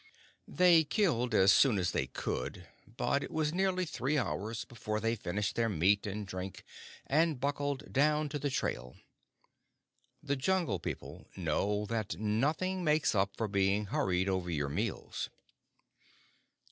They killed as soon as they could, but it was nearly three hours before they finished their meat and drink and buckled down to the trail. The Jungle People know that nothing makes up for being hurried over your meals.